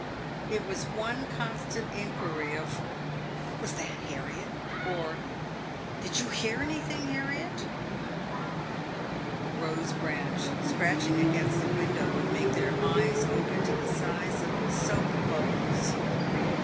It was one constant inquiry of " What was that, Harriet ?" or, " Did you hear anything, Har riet ?" A rose branch scratching against the window would make their eyes open to the size of soap bubbles.